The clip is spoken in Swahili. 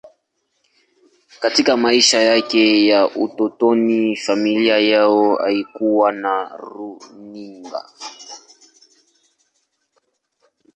Katika maisha yake ya utotoni, familia yao haikuwa na runinga.